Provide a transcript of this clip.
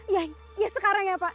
ya sekarang ya pak